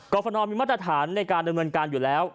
ฟนมีมาตรฐานในการดำเนินการอยู่แล้ว